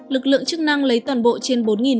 lực lượng chức năng lấy toàn bộ trên bốn